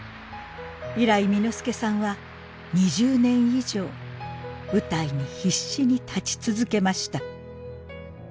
以来簑助さんは２０年以上舞台に必死に立ち続けました。